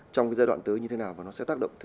trong cái giai đoạn tới như thế nào và nó sẽ tác động